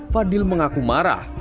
fadil mengaku marah